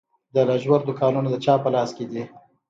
د لاجوردو کانونه د چا په لاس کې دي؟